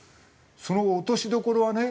その落としどころはね。